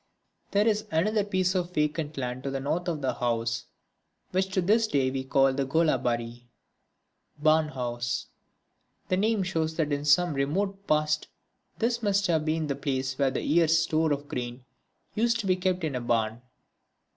There is another piece of vacant land to the north of the house which to this day we call the golabari (barn house). The name shows that in some remote past this must have been the place where the year's store of grain used to be kept in a barn.